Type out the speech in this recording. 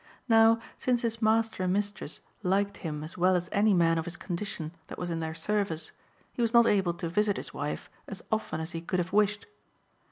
Now, since his master and mistress liked him as well as any man of his condition that was in their service, he was not able to visit his wife as often as he could have wished.